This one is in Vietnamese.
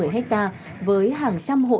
một trăm một mươi hectare với hàng trăm hộ